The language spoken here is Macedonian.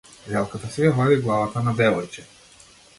Желката си ја вади главата на девојче.